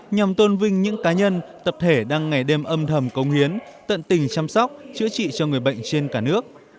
nhằm tôn vinh những cá nhân tập thể đang ngày đêm âm thầm công hiến tận tình chăm sóc chữa trị cho người bệnh trên cả nước